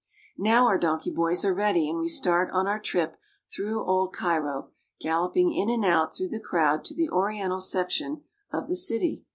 Now our donkey boys are ready, and we start on our trip through old Cairo, galloping in and out through the crowd to. the oriental section of the city.